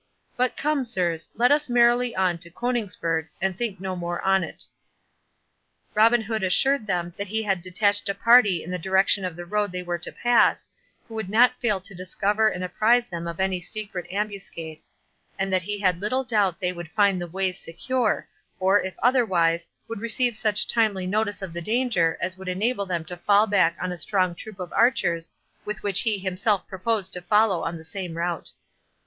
—But come, sirs, let us merrily on to Coningsburgh, and think no more on't." Robin Hood assured them that he had detached a party in the direction of the road they were to pass, who would not fail to discover and apprize them of any secret ambuscade; and that he had little doubt they would find the ways secure, or, if otherwise, would receive such timely notice of the danger as would enable them to fall back on a strong troop of archers, with which he himself proposed to follow on the same route.